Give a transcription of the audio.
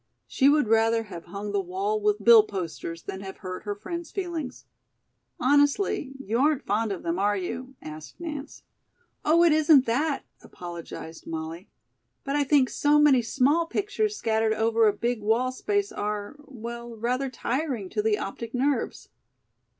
She would rather have hung the wall with bill posters than have hurt her friend's feelings. "Honestly, you aren't fond of them, are you?" asked Nance. "Oh, it isn't that," apologized Molly. "But I think so many small pictures scattered over a big wall space are well, rather tiring to the optic nerves."